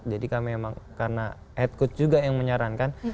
jadi kami emang karena ed kuts juga yang menyarankan